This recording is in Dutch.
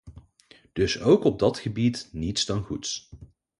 Dus ook op dat gebied niets dan goeds.